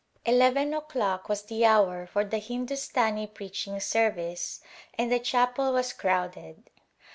Eleven o'clock was the hour for the Hindustani preaching service and the chapel was crowded.